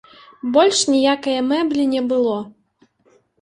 Больш ніякае мэблі не было.